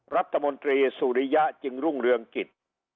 รัฐมนตรีสุริยะจึงรุ่งเรืองกิจ